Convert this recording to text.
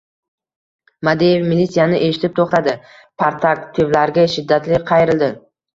Madiev militsiyani eshitib, to‘xtadi. Partaktivlarga shiddatli qayrildi.